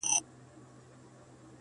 • دادی حالاتو سره جنگ کوم لگيا يمه زه.